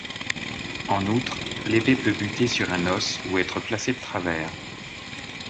En outre, l'épée peut buter sur un os ou être placée de travers.